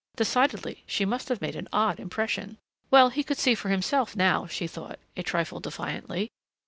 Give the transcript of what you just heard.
Decidedly she must have made an odd impression! Well, he could see for himself now, she thought, a trifle defiantly.